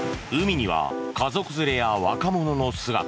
海には家族連れや若者の姿。